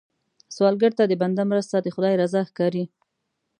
سوالګر ته د بنده مرسته، د خدای رضا ښکاري